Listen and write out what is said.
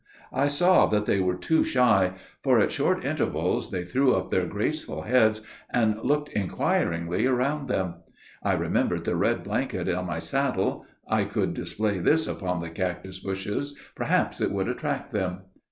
I saw that they were too shy; for, at short intervals, they threw up their graceful heads, and looked inquiringly around them. I remembered the red blanket on my saddle. I could display this upon the cactus bushes, perhaps it would attract them.